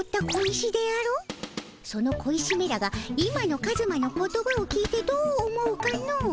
その小石めらが今のカズマの言葉を聞いてどう思うかの？